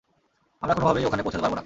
আমরা কোনোভাবেই ওখানে পৌছাতে পারব না।